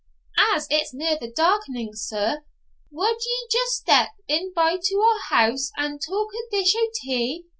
'As it's near the darkening, sir, wad ye just step in by to our house and tak a dish o' tea?